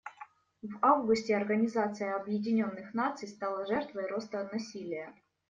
В августе Организация Объединенных Наций стала жертвой роста насилия.